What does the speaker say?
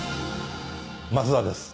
増田です。